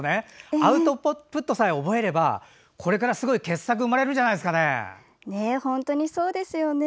アウトプットさえ覚えればこれから傑作が本当にそうですよね。